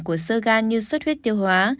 của sơ gan như suất huyết tiêu hóa